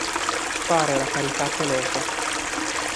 Fare la carità pelosa.